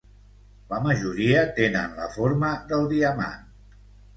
La majoria tenen la forma del diamant.